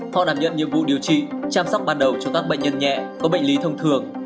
họ đảm nhận nhiệm vụ điều trị chăm sóc ban đầu cho các bệnh nhân nhẹ có bệnh lý thông thường